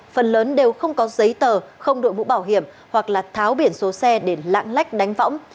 phần lớn đều không có giấy tờ không đội mũ bảo hiểm hoặc là tháo biển số xe để lạng lách đánh võng